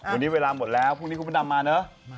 วันนี้เวลาหมดแล้วพรุ่งนี้คุณพระดำมาเนอะ